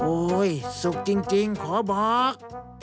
สุขจริงขอบอก